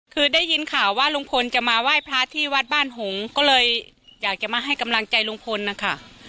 คือได้ยินข่าวว่าลุงพลจะมาไหว้พระที่วัดบ้านหงก็เลยอยากจะมาให้กำลังใจลุงพลนะคะ